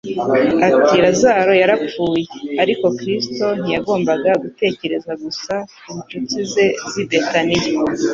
ati: «Lazaro yarapfuye.» Ariko Kristo ntiyagombaga gutekereza gusa ku ncuti ze z'i Betaniya;